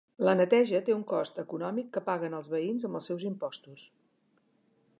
La neteja té un cost econòmic que paguen els veïns amb els seus impostos.